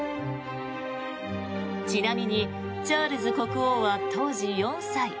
ちなみにチャールズ国王は当時、４歳。